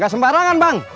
ga sembarangan bang